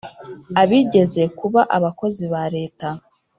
abigeze kuba abakozi ba leta